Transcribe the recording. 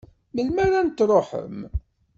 Melmi ara n-truḥem?